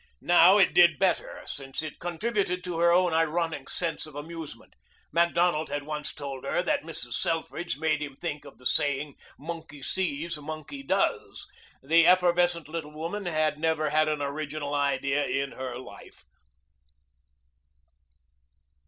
Now it did better, since it contributed to her own ironic sense of amusement. Macdonald had once told her that Mrs. Selfridge made him think of the saying, "Monkey sees, monkey does." The effervescent little woman had never had an original idea in her life.